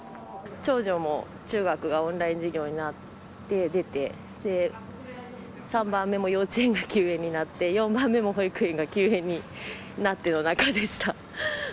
長女も中学がオンライン授業になってて、３番目も幼稚園が休園になって、４番目も保育園が休園になっての中でした。